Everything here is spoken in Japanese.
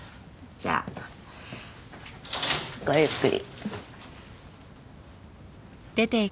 じゃあごゆっくり。